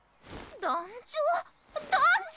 団長？